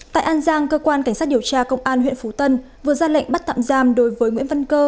tại an giang cơ quan cảnh sát điều tra công an huyện phú tân vừa ra lệnh bắt tạm giam đối với nguyễn văn cơ